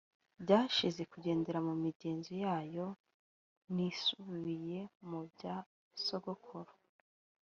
byashize kugendera mu migenzo yayo nisubiriye mu bya sogokuru